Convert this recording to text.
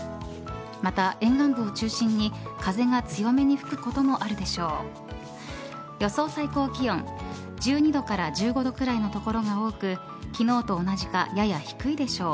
また沿岸部を中心に風が強めに吹くこともあるでしょう。